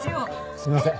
すみません。